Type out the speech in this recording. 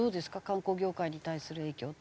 観光業界に対する影響って。